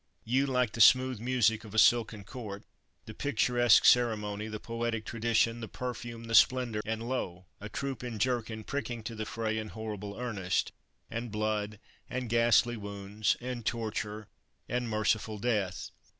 You like the smooth music of a silken court, the picturesque ceremony, the poetic tradition, the perfume, the splendor, and lo! a troop in jerkin pricking to the fray in horrible earnest, and blood, and ghastly wounds, and torture, and merciful death!